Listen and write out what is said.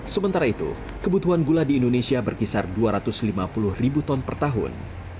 sementara itu kebutuhan gula di indonesia berkisar dua ratus lima puluh ribu ton per tahun